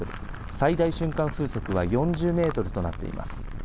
最大瞬間風速は４０メートルとなっています。